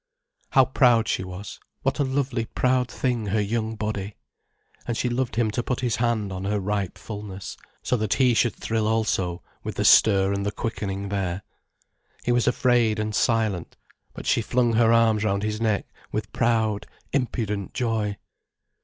How proud she was, what a lovely proud thing her young body! And she loved him to put his hand on her ripe fullness, so that he should thrill also with the stir and the quickening there. He was afraid and silent, but she flung her arms round his neck with proud, impudent joy.